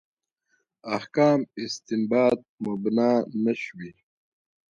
احکام استنباط مبنا نه شوي.